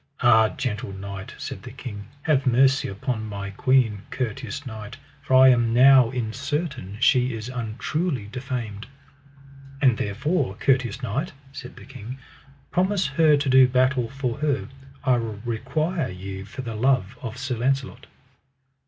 Ah, gentle knight, said the king, have mercy upon my queen, courteous knight, for I am now in certain she is untruly defamed. And therefore, courteous knight, said the king, promise her to do battle for her, I require you for the love of Sir Launcelot.